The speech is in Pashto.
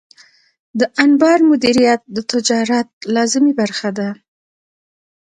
د انبار مدیریت د تجارت لازمي برخه ده.